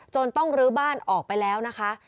ต้องลื้อบ้านออกไปแล้วนะคะ